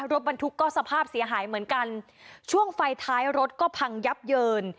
รถบรรทุกก็สภาพเสียหายเหมือนกันช่วงไฟท้ายรถก็พังยับเยิน